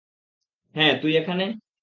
হ্যাঁ তুই এখানে?